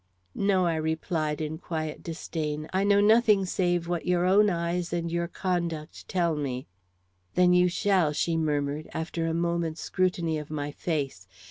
"No," I replied, in quiet disdain. "I know nothing save what your own eyes and your conduct tell me." "Then you shall," she murmured, after a moment's scrutiny of my face.